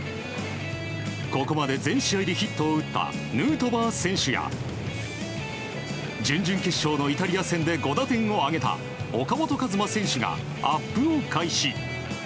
ここまで全試合でヒットを打ったヌートバー選手や準々決勝のイタリア戦で５打点を挙げた岡本和真選手がアップを開始。